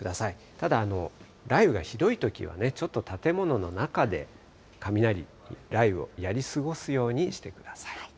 ただ、雷雨がひどいときは、ちょっと建物の中で雷、雷雨をやり過ごすようにしてください。